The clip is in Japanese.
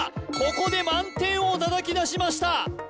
ここで満点を叩き出しました！